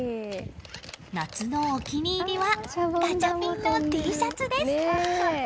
夏のお気に入りはガチャピンのＴシャツです！